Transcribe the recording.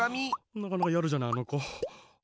なかなかやるじゃないあのこ。